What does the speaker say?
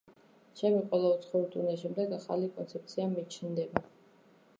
ჩემი ყველა უცხოური ტურნეს შემდეგ, ახალი კონცეფცია მიჩნდება.